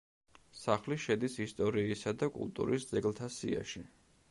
სახლი შედის ისტორიისა და კულტურის ძეგლთა სიაში.